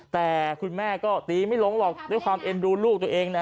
แต่คุณแม่ก็ตีไม่ลงหรอกด้วยความเอ็นดูลูกตัวเองนะ